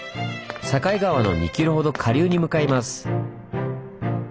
境川の２キロほど下流に向かいます。